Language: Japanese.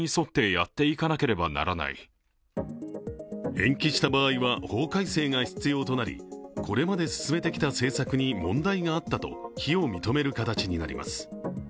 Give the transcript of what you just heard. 延期した場合は法改正が必要となり、これまで進めてきた政策に問題があったと非を認める形になります。